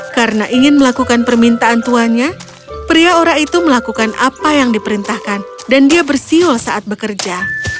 karena ingin melakukan permintaan tuannya pria ora itu melakukan apa yang diperintahkan dan dia bersiul saat bekerja